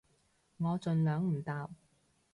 我盡量唔搭